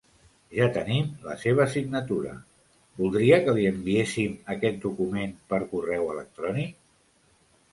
Ja tenim la seva signatura, voldria que li enviéssim aquest document per correu electrònic?